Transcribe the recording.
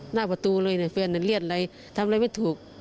หน้าประตูเลยเนี่ยแฟนเรียกอะไรทำอะไรไม่ถูก